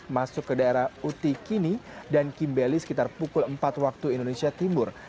masuk ke daerah utikini dan kimbeli sekitar pukul empat waktu indonesia timur